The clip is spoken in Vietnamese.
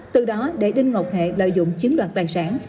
từ đó để đinh ngọc hệ lợi dụng chiếm đoạt tài sản